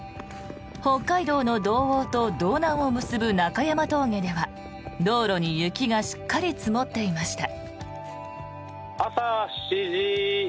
北海道の道央と道南を結ぶ中山峠では道路に雪がしっかり積もっていました。